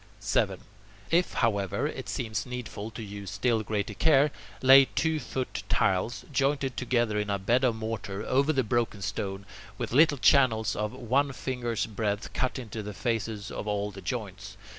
7. If, however, it seems needful to use still greater care, lay two foot tiles, jointed together in a bed of mortar, over the broken stone, with little channels of one finger's breadth cut in the faces of all the joints.